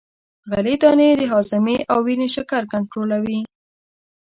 غلې دانې د هاضمې او وینې شکر کنترولوي.